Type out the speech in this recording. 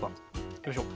よいしょ。